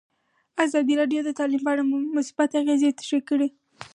ازادي راډیو د تعلیم په اړه مثبت اغېزې تشریح کړي.